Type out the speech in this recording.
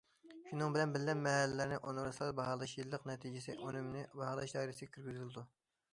شۇنىڭ بىلەن بىللە، مەھەللىلەرنى ئۇنىۋېرسال باھالاش يىللىق نەتىجىسى ئۈنۈمنى باھالاش دائىرىسىگە كىرگۈزۈلىدۇ.